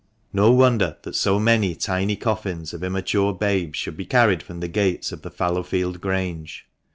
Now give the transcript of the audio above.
No wonder that so many tiny coffins of immature babes should be carried from the gates of the Fallowfield Grange.